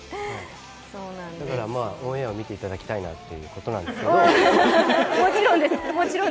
だからオンエアを見ていただきたいなということなんですけど。